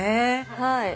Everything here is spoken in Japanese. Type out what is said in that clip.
はい。